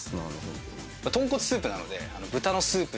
豚骨スープなので。